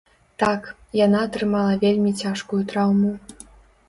Так, яна атрымала вельмі цяжкую траўму.